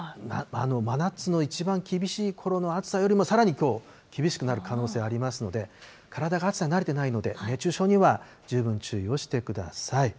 真夏の一番厳しいころの暑さよりもさらにきょう厳しくなる可能性ありますので、体が暑さに慣れていないので、熱中症には十分注意をしてください。